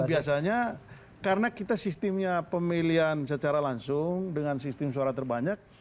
dan biasanya karena kita sistemnya pemilihan secara langsung dengan sistem suara terbanyak